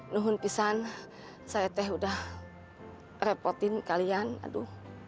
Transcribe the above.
nuhun pisan saya teh udah repotin kalian aduh